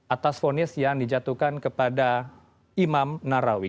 atas fonis yang dijatuhkan kepada imam narawi